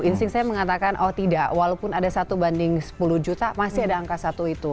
insting saya mengatakan oh tidak walaupun ada satu banding sepuluh juta masih ada angka satu itu